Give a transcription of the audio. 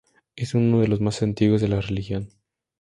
Es uno de los más antiguos de la región.